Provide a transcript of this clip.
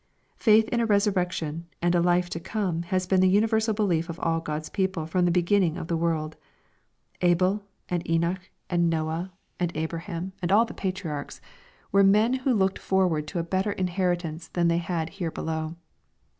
Faith in a resurrection and a life to come has been tl»o universal belief of all God's people from the begin ftj/^g of ihe World, Abel, and Enoch, and Noah, and LUKE, CHAP. XX. 841 Abraham aud all the Patriarclis, were men who looked forward to a better inheritance than they had here below.